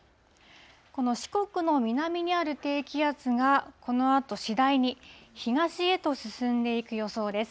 この四国の南にある低気圧が、このあと次第に東へと進んでいく予想です。